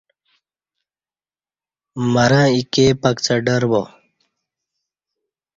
مرہ ایکے پکڅہ ڈربو